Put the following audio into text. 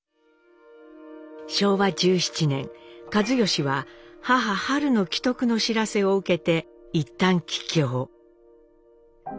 昭和１７年一嚴は母はるの危篤の知らせを受けて一旦帰郷。